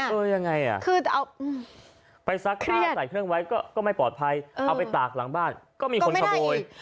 เออยังไงอ่ะไปซักผ้าใส่เครื่องไว้ก็ไม่ปลอดภัยเอาไปตากหลังบ้านก็มีคนขโบย